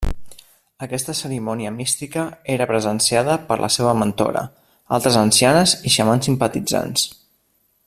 Aquesta cerimònia mística era presenciada per la seva mentora, altres ancianes i xamans simpatitzants.